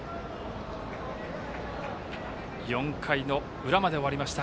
４回の裏まで終わりました。